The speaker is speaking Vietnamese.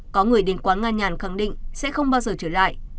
có người đến quán nga nhàn khẳng định sẽ không bao giờ trở lại